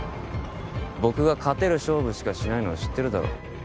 僕が勝てる勝負しかしないのは知ってるだろ？